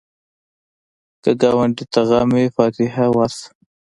که ګاونډي ته غم وي، فاتحه ورشه